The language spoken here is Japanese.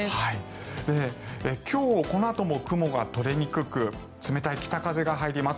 今日、このあとも雲が取れにくく冷たい北風が入ります。